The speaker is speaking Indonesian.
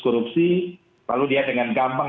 korupsi lalu dia dengan gampang